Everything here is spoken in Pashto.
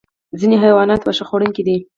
ځینې حیوانات واښه خوړونکي دي